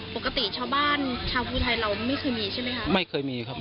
ปกติชาวบ้านชาวผู้ไทยเราไม่เคยมีใช่ไหมครับ